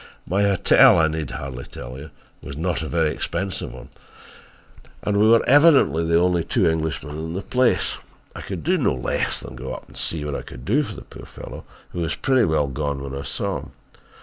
"My hotel I need hardly tell you was not a very expensive one and we were evidently the only two Englishmen in the place. I could do no less than go up and see what I could do for the poor fellow who was pretty well gone when I saw him.